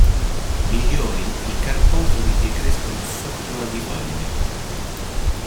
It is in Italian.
Migliori i carpofori che crescono sotto aghifoglie.